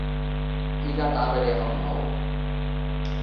而家打畀你好唔好？